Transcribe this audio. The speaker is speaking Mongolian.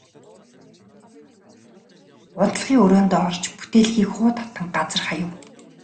Унтлагын өрөөндөө орж бүтээлгийг хуу татан газар хаяв.